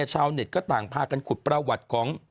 ชาวเน็ตก็ต่างพากันขุดประวัติของ